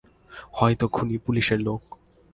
হয়তো খুনি পুলিশের লোক।